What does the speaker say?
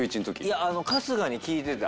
いや春日に聞いてた。